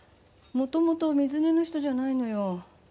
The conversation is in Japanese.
もともと水根の人じゃないのよ。